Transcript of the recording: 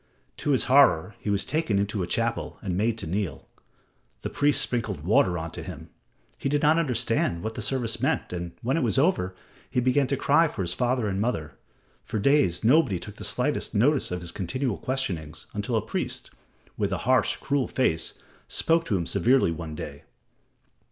To his horror he was taken into a chapel and made to kneel. The priests sprinkled water on him. He did not understand what the service meant, and when it was over he began to cry for his father and mother. For days nobody took the slightest notice of his continual questionings until a priest, with a harsh, cruel face, spoke to him severely one day.